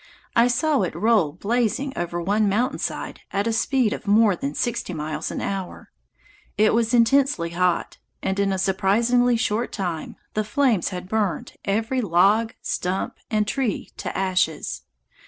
I saw it roll blazing over one mountain side at a speed of more than sixty miles an hour. It was intensely hot, and in a surprisingly short time the flames had burned every log, stump, and tree to ashes.